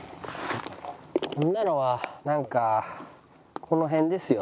こんなのはなんかこの辺ですよ大体ね。